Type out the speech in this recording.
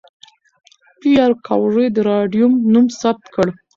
پېیر کوري د راډیوم نوم ثبت کړ.